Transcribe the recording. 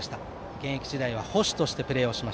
現役時代は捕手としてプレー。